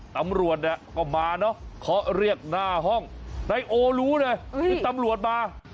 ตำรวจเนี่ยก็มาเนอะเคาะเรียกหน้าห้องนายโอรู้เลยคือตำรวจมา